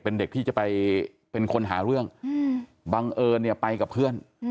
เป็นเด็กที่จะไปเป็นคนหาเรื่องบังเอิญเนี่ยไปกับเพื่อน